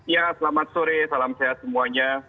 ya selamat sore salam sehat semuanya